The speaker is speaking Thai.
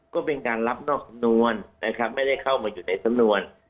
ก็เป็นการรับนอกสำนวนนะครับไม่ได้เข้ามาอยู่ในสำนวน